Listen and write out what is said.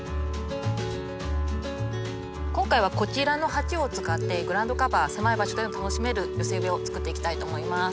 今回はこちらの鉢を使ってグラウンドカバー狭い場所でも楽しめる寄せ植えを作っていきたいと思います。